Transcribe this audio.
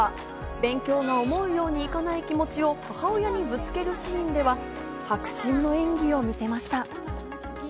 勉強が思うようにいかない気持ちを母親にぶつけるシーンでは迫真の演技を見せました。